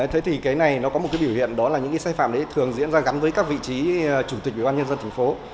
thế thì cái này nó có một cái biểu hiện đó là những cái sai phạm đấy thường diễn ra gắn với các vị trí chủ tịch ủy ban nhân dân thành phố